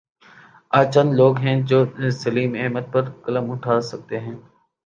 آج چند لوگ ہیں جو سلیم احمد پر قلم اٹھا سکتے ہیں۔